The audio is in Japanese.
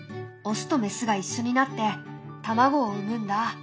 オスとメスが一緒になって卵を産むんだ。